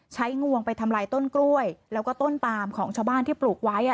งวงไปทำลายต้นกล้วยแล้วก็ต้นปามของชาวบ้านที่ปลูกไว้